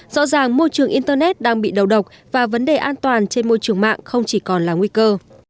rõ ràng môi trường internet đang bị đầu độc và vấn đề an toàn trên môi trường mạng không chỉ còn là nguy cơ